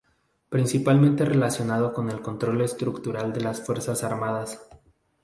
Principalmente relacionado con el control estructural de las Fuerzas Armadas.